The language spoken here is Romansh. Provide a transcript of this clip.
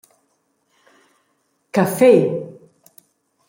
Caffè?